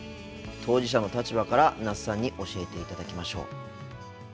当事者の立場から那須さんに教えていただきましょう。